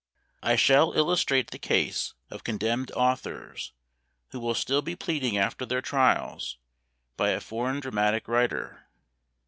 I shall illustrate the case of condemned authors who will still be pleading after their trials, by a foreign dramatic writer.